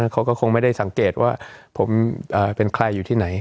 เขาก็คงไม่ได้สังเกตว่าผมเป็นใครอยู่ที่ไหน